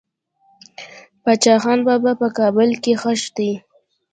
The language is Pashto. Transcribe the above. باچا خان بابا په کابل کې خښ دي.